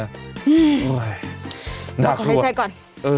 อุ้ยหนักลวดขอให้ใจก่อน